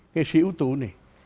nghệ sĩ ưu tú này